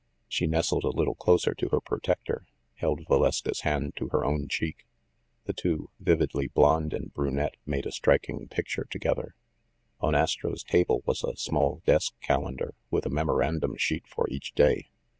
She nestled a little closer to her protector ; held Valeska's hand to her own cheek. The two, vividly blond and brunette, made a striking picture together. On Astro's table was a small desk calendar, with a memorandum sheet for each day.